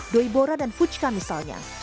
doi bora dan puchka misalnya